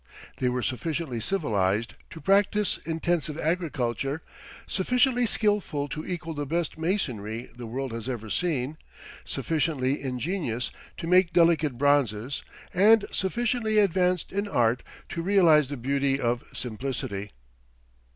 They were sufficiently civilized to practice intensive agriculture, sufficiently skillful to equal the best masonry the world has ever seen, sufficiently ingenious to make delicate bronzes, and sufficiently advanced in art to realize the beauty of simplicity.